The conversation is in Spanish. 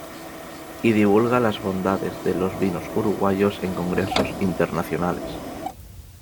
Y divulga las bondades de los vinos uruguayos en congresos internacionales.